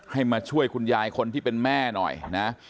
มาช่วยคุณยายคนที่เป็นแม่หน่อยนะ